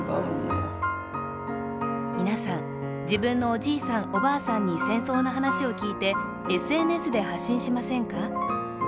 皆さん、自分のおじいさん、おばあさんに戦争の話を聞いてＳＮＳで発信しませんか？